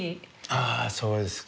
ああそうですか。